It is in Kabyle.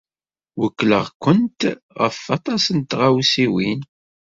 Wekkleɣ-kent ɣef waṭas n tɣawsiwin.